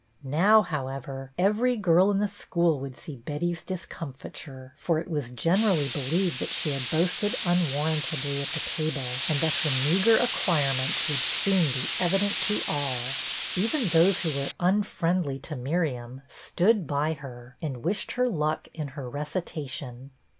Now, however, every girl in the school would see Betty's discomfiture, for it THE DUEL — AFTER ALL 91 was generally believed that she had boasted unwarrantably at the table and that her meagre acquirements would soon be evident to all. Even those who were unfriendly to Miriam stood by her and wished her luck in her recitation.